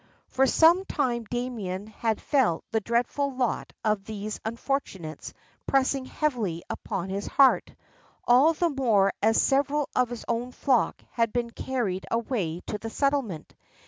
For some time Damien had felt the dreadful lot of those unfortunates pressing heavily upon his heart, all the more as several of his own flock had been carried away to the settlement.